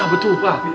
nah betul pak